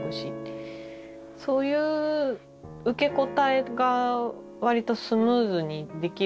そういう受け答えが割とスムーズにできる生き物。